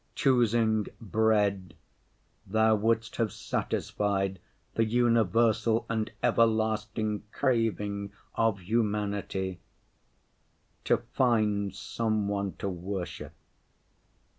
Choosing "bread," Thou wouldst have satisfied the universal and everlasting craving of humanity—to find some one to worship.